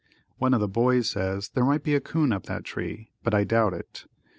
One of the boys says there might be a 'coon up that tree but I doubt it.